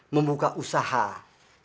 membuka usaha yang berharga